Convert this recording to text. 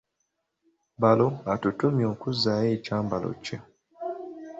Balo atutumye okuzzaayo ekyambalo kyo!